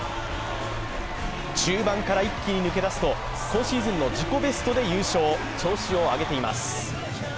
中盤から一気に抜け出すと、今シーズンの自己ベストで優勝、調子を上げています。